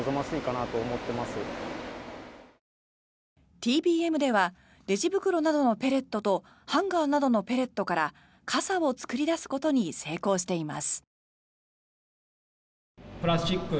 ＴＢＭではレジ袋などのペレットとハンガーなどのペレットから傘を作り出すことに成功しています。